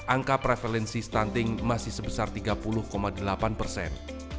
angka prevalensi stunting masih sebesar tiga puluh delapan persen